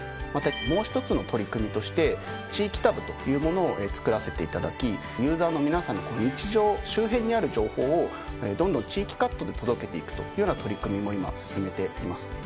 またもう１つの取り組みとして地域タブというものを作らせていただきユーザーの皆さんの日常周辺にある情報をどんどん地域カットで届けていくというような取り組みも今進めています。